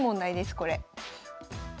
これ。